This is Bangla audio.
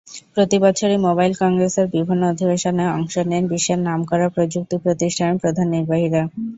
প্রতিবছরই মোবাইল কংগ্রেসের বিভিন্ন অধিবেশনে অংশ নেন বিশ্বের নামকরা প্রযুক্তি প্রতিষ্ঠানের প্রধান নির্বাহীরা।